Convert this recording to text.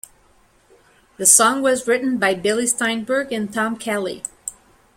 The song was written by Billy Steinberg and Tom Kelly.